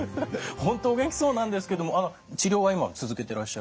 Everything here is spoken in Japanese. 本当お元気そうなんですけども治療は今続けてらっしゃる？